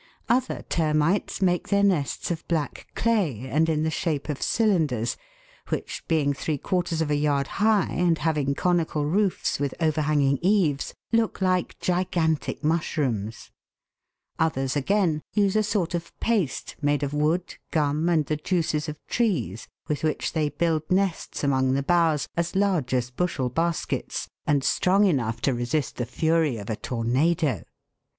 Other termites make their nests of black clay, and in the shape of cylinders, which, being three quarters of a yard high, and having conical roofs with overhanging eaves, look like gigantic mushrooms. Others, again, use a sort of paste, made of wood, gum, and the juices of trees with which they build nests among the boughs as large as bushel baskets, and strong enough to resist the fury of a tornado.